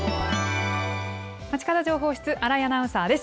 まちかど情報室、新井アナウンサーです。